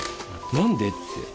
何で？って。